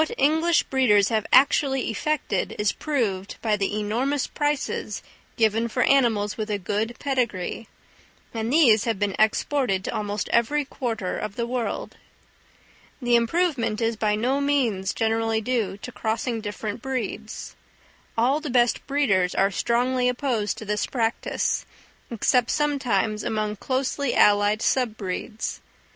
What English breeders have actually effected is proved by the enormous prices given for animals with a good pedigree; and these have been exported to almost every quarter of the world. The improvement is by no means generally due to crossing different breeds; all the best breeders are strongly opposed to this practice, except sometimes among closely allied sub breeds.